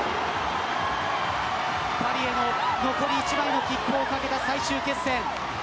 パリへの残り１枚の切符を懸けた最終決戦。